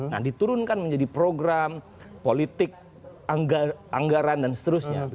nah diturunkan menjadi program politik anggaran dan seterusnya